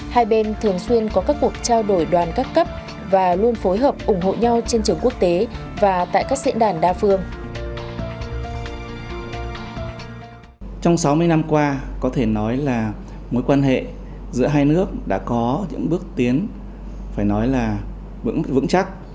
hai bên thường xuyên có các cuộc trao đổi đoàn các cấp và luôn phối hợp ủng hộ nhau trên trường quốc tế và tại các diễn đàn đa phương